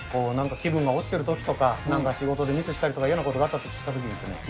気分が落ちてるときとか、なんか仕事でミスしたりとかやなことがあったりですね。